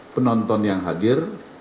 penonton yang hadir